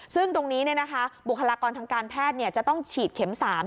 ซึ่งตรงนี้บุคลากรทางการแพทย์จะต้องฉีดเข็ม๓